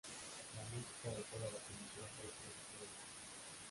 La música de toda la película fue producida en dos semanas.